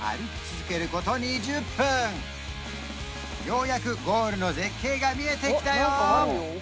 ようやくゴールの絶景が見えてきたよ